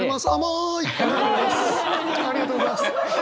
ありがとうございます。